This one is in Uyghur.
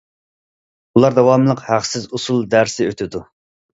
ئۇلار داۋاملىق ھەقسىز ئۇسسۇل دەرسى ئۆتىدۇ.